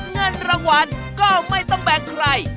เงินรางวัลก็ไม่ต้องแบ่งใคร